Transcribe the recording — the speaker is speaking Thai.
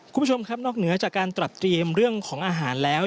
คุณผู้ชมครับนอกเหนือจากการตรัสเตรียมเรื่องของอาหารแล้ว